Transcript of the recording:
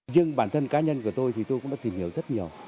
riêng bản thân cá nhân của tôi thì tôi cũng đã tìm hiểu rất nhiều